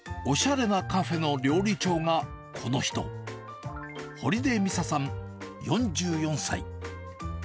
おしゃれなカフェの料理長がこの人、堀出美沙さん４４歳。